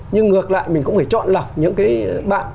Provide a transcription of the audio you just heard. nhưng ngược lại mình cũng phải chọn lọc những cái bạn